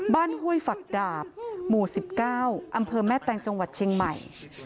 ห้วยฝักดาบหมู่๑๙อำเภอแม่แตงจังหวัดเชียงใหม่